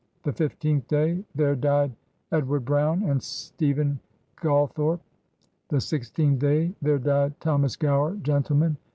The fifteenth day their died Edward Browne and Stephen Galthrope. The sixteenth day their died Thomas Gower gentleman.